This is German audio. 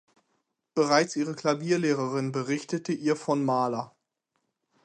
Bereits ihre Klavierlehrerin berichtete ihr von Mahler.